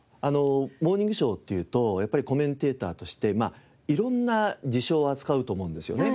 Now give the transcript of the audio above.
『モーニングショー』っていうとやっぱりコメンテーターとして色んな事象を扱うと思うんですよね。